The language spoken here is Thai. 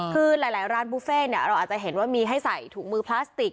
คือหลายร้านบุฟเฟ่เราอาจจะเห็นว่ามีให้ใส่ถุงมือพลาสติก